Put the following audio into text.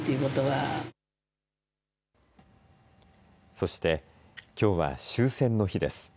そして、きょうは終戦の日です。